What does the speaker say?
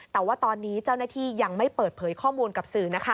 แต่ว่าตอนนี้เจ้าหน้าที่ยังไม่เปิดเผยข้อมูลกับสื่อนะคะ